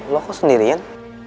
lo kok sendirian